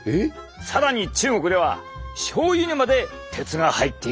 更に中国ではしょうゆにまで鉄が入っているぞ！